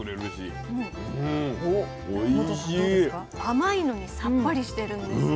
甘いのにさっぱりしてるんです。